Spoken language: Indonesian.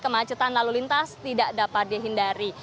kemacetan lalu lintas tidak dapat dihindari